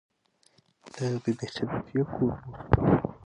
د بې بي خدیجې کور و.